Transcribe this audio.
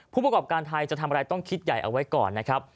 ผู้ประกอบการไทยจะทำอะไรต้องคิดใหญ่เอาไว้ก่อนนะครับ